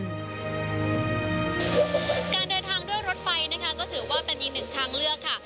การเดินทางด้วยรถไฟนะคะก็ถือว่าเป็นอีกหนึ่งทางเลือกค่ะ